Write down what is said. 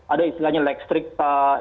ada istilahnya leks trik pak